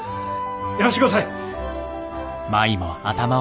やらしてください！